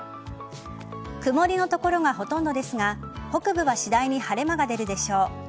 曇りの所がほとんどですが北部は次第に晴れ間が出るでしょう。